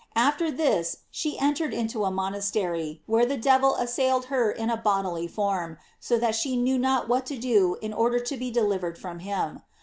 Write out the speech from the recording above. After this she entered into a monastery, where the devil assail ed her in a bodily form, so that she knew not what to do in order to be delivered from him.